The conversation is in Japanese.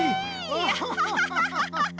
アハハハッ！